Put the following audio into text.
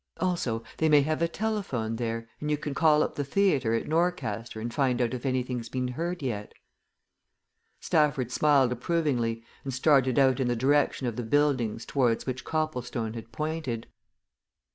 Also they may have a telephone there, and you can call up the theatre at Norcaster and find out if anything's been heard yet." Stafford smiled approvingly and started out in the direction of the buildings towards which Copplestone had pointed.